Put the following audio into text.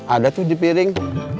ada tuh di piring